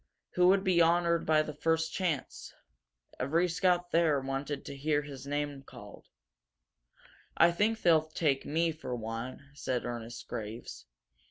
Who would be honored by the first chance? Every scout there wanted to hear his name called. "I think they'll take me, for one," said Ernest Graves.